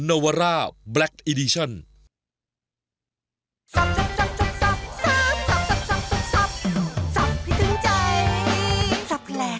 สามารถรับชมได้ทุกวัย